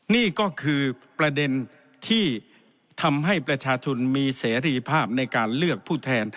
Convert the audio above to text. นี่ก็คือประเด็นที่ทำให้ประชาชนมีเสรีภาพในการเลือกผู้แทน